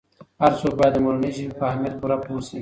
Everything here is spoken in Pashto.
هر څوک باید د مورنۍ ژبې په اهمیت پوره پوه سي.